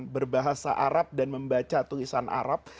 berbahasa arab dan membaca tulisan arab